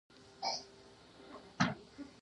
په افغانستان کې بادام د خلکو د ژوند په کیفیت تاثیر کوي.